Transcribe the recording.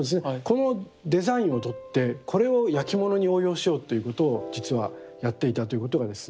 このデザインをとってこれをやきものに応用しようということを実はやっていたということがですね